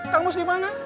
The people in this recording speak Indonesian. kang mus dimana